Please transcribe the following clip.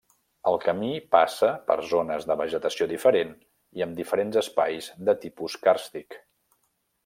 El camí passa per zones de vegetació diferent i amb diferents espais de tipus càrstic.